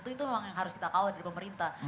itu memang yang harus kita kawal dari pemerintah